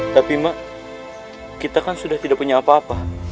tapi mak kita kan sudah tidak punya apa apa